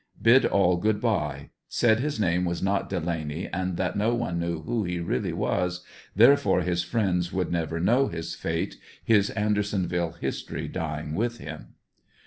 Bid all good bye Said his name was not Delaney and that no one knew who he really was, therefore his friends would never know his fate, his Andersonville history dying with him.